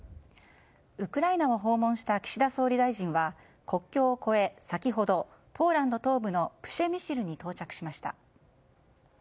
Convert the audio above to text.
ウクライナを訪問した岸田総理大臣は国境を越え、先ほどポーランド東部のプシェミシルに到着しました。